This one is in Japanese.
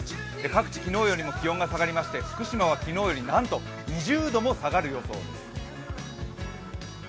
各地昨日よりも気温が下がりまして、福島は昨日よりなんと２０度も下がる予想です。